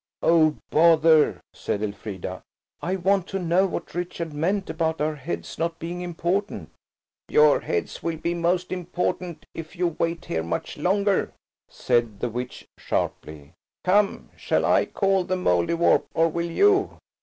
"Oh bother!" said Elfrida. "I want to know what Richard meant about our heads not being important." "Your heads will be most important if you wait here much longer!" said the witch sharply. "Come, shall I call the Mouldiwarp, or will you?"